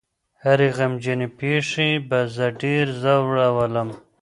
هرې غمجنې پېښې به زه ډېر ځورولم.